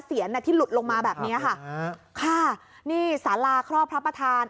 ที่หลุดลงมาแบบนี้ค่ะค่ะนี่สาราครอบพระประธาน